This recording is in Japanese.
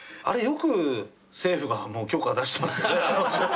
あれよく政府が許可出してますよね。